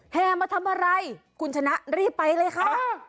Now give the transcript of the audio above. แห่มาทำอะไรคุณชนะรีบไปเลยค่ะ